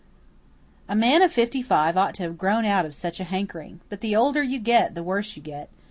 A man of fifty five ought to have grown out of such a hankering. But the older you get the worse you get.